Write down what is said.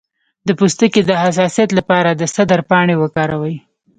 د پوستکي د حساسیت لپاره د سدر پاڼې وکاروئ